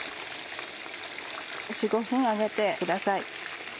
４５分揚げてください。